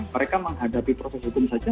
mereka menghadapi proses hukum saja